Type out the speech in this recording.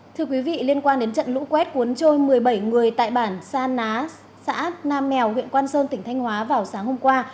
thưa quý vị liên quan đến trận lũ quét cuốn trôi một mươi bảy người tại bản sa ná xã nam mèo huyện quang sơn tỉnh thanh hóa vào sáng hôm qua